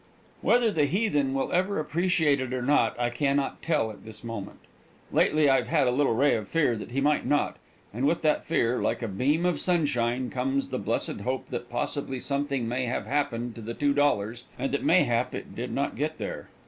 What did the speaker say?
Whether the heathen will ever appreciate it or not, I can not tell at this moment. Lately I have had a little ray of fear that he might not, and with that fear, like a beam of sunshine, comes the blessed hope that possibly something may have happened to the $2, and that mayhap it did not get there.